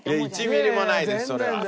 １ミリもないですそれは。